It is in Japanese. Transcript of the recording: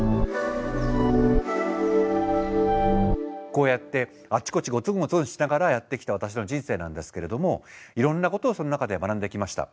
こうやってあちこちゴツンゴツンしながらやってきた私の人生なんですけれどもいろんなことをその中で学んできました。